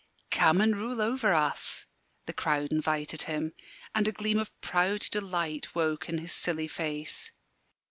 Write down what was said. "Come an' rule over us," the crowd invited him, and a gleam of proud delight woke in his silly face.